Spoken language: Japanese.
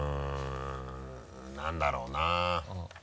何だろうな？